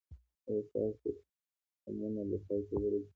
ایا ستاسو غمونه به پای ته ورسیږي؟